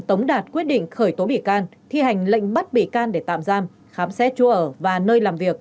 tống đạt quyết định khởi tố bị can thi hành lệnh bắt bị can để tạm giam khám xét chỗ ở và nơi làm việc